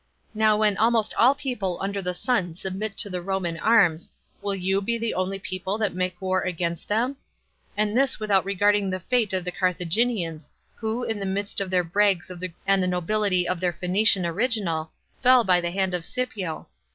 Now when almost all people under the sun submit to the Roman arms, will you be the only people that make war against them? and this without regarding the fate of the Carthaginians, who, in the midst of their brags of the great Hannibal, and the nobility of their Phoenician original, fell by the hand of Scipio.